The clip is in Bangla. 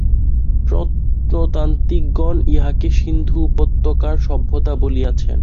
প্রত্নতাত্ত্বিকগণ ইহাকে সিন্ধু-উপত্যকার সভ্যতা বলিয়াছেন।